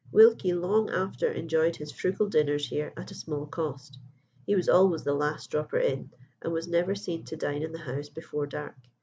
Wilkie long after enjoyed his frugal dinners here at a small cost. He was always the last dropper in, and was never seen to dine in the house before dark.